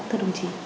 thưa đồng chí